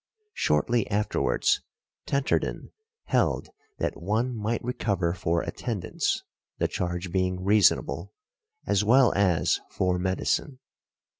Shortly afterwards Tenterden held that one might recover for attendance (the charge being reasonable), as well as for medicine.